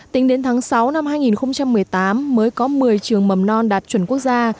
tính đến tháng sáu năm hai nghìn một mươi tám mới có một mươi trường mầm non đạt chuẩn quốc gia